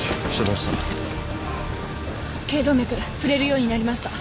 頸動脈触れるようになりました。